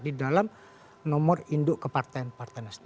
di dalam nomor induk kepartaian partai nasdem